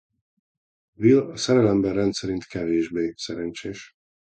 Will a szerelemben rendszerint kevésbé szerencsés.